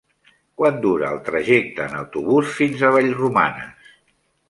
Quant dura el trajecte en autobús fins a Vallromanes?